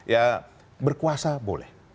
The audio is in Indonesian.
ya berkuasa boleh